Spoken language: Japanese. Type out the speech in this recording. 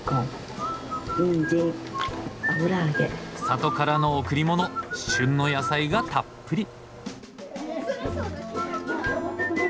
里からの贈りもの旬の野菜がたっぷり。